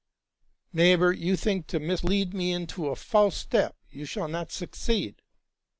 '¢ Neighbor, you think to mislead me into a false step: you shall not succeed.